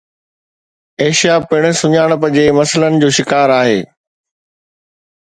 Asia پڻ سڃاڻپ جي مسئلن جو شڪار آهي